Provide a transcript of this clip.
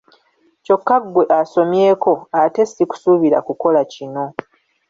Kyokka ggwe asomyeko ate si kusuubira kukola kino.